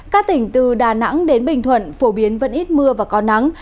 các tỉnh từ đà nẵng đến bình thuận phổ biến vẫn ít mưa và có nắng